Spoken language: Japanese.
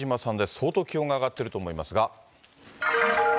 相当気温が上がっていると思いますが。